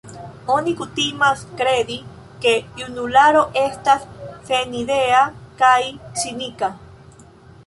Oni kutimas kredi, ke junularo estas senidea kaj cinika.